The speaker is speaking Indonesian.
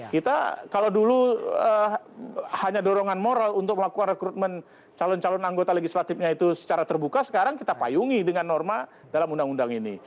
kita kalau dulu hanya dorongan moral untuk melakukan rekrutmen calon calon anggota legislatifnya itu secara terbuka sekarang kita payungi dengan norma dalam undang undang ini